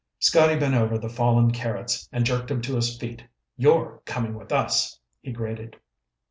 Scotty bent over the fallen Carrots and jerked him to his feet. "You're coming with us," he grated.